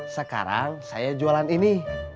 sekarang saya jualan ini